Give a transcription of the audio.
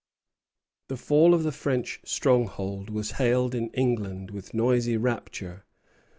The fall of the French stronghold was hailed in England with noisy rapture.